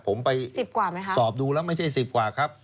ผมไปสิบกว่าไหมคะสอบดูแล้วไม่ใช่สิบกว่าครับ